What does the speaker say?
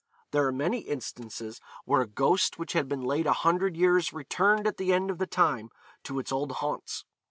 There are many instances where a ghost which had been laid a hundred years returned at the end of the time to its old haunts.